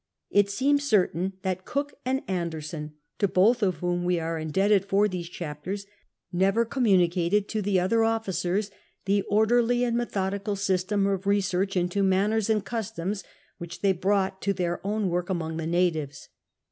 It .seems certain that Cook and Ander.son, to both of whom w'e are indebted for these chapter's, never conimnnicated to tho other officers the orderly and methodical system of research into manners and customs which they brought to their own w^oik among tlie native.s.